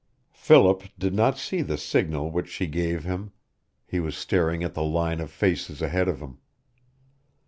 Philip did not see the signal which she gave him. He was staring at the line of faces ahead of him.